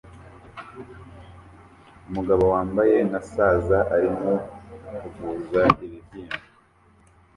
Umugabo wambaye nka saza arimo kuvuza ibibyimba